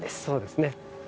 そうですね。